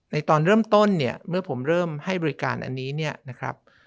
ตอนเริ่มต้นเนี่ยเมื่อผมเริ่มให้บริการอันนี้เนี่ยนะครับ